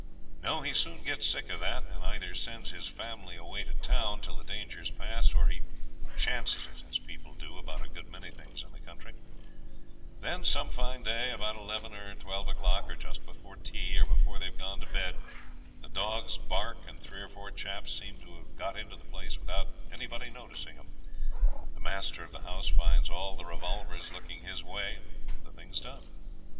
No, he soon gets sick of that, and either sends his family away to town till the danger's past, or he 'chances it', as people do about a good many things in the country. Then some fine day, about eleven or twelve o'clock, or just before tea, or before they've gone to bed, the dogs bark, and three or four chaps seem to have got into the place without anybody noticing 'em, the master of the house finds all the revolvers looking his way, and the thing's done.